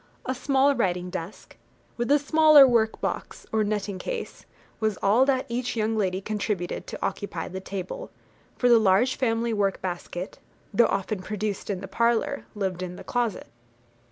A small writing desk, with a smaller work box, or netting case, was all that each young lady contributed to occupy the table; for the large family work basket, though often produced in the parlour, lived in the closet.